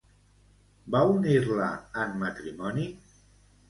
Va unir-la en matrimoni?